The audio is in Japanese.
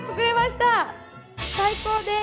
最高です！